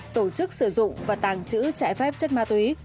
tổ chức sử dụng và tàng trữ trái phép chất ma túy